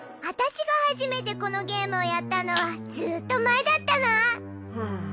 私が初めてこのゲームをやったのはずっと前だったなぁ！